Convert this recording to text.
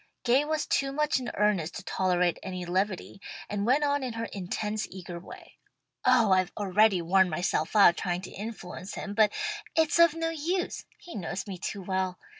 Gay was too much in earnest to tolerate any levity, and went on in her intense eager way. "Oh I've already worn myself out trying to influence him, but it's of no use. He knows me too well.